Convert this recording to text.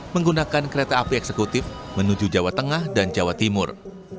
menggunakan kereta api eksekutif menuju jawa tengah dan jawa timur